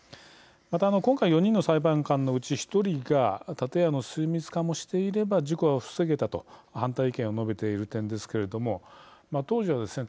また今回４人の裁判官のうち１人が建屋の水密化もしていれば事故は防げたと反対意見を述べている点ですけれども当時はですね